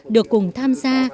được cùng tham gia